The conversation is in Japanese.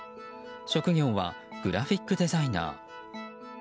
職業はグラフィックデザイナー。